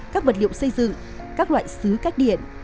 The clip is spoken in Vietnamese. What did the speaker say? các vật liệu xây dựng các loại xứ cách điện